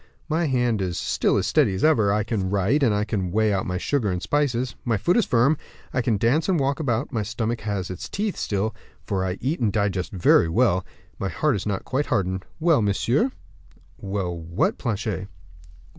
My hand is still as steady as ever; I can write, and can weigh out my sugar and spices; my foot is firm; I can dance and walk about; my stomach has its teeth still, for I eat and digest very well; my heart is not quite hardened. Well, monsieur?" "Well, what, Planchet?"